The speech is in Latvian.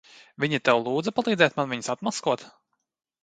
Viņa tev lūdza palīdzēt man viņus atmaskot?